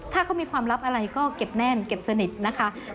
ถ้าเขามีความลับอะไรก็เก็บแน่นเก็บสนิทนะคะ